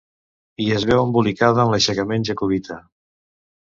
I es veu embolicada en l'aixecament jacobita.